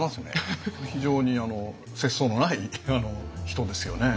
非常に節操のない人ですよね。